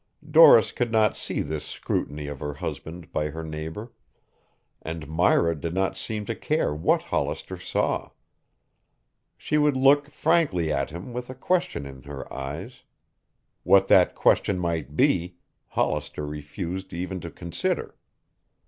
Doris could not see this scrutiny of her husband by her neighbor. And Myra did not seem to care what Hollister saw. She would look frankly at him with a question in her eyes. What that question might be, Hollister refused even to consider.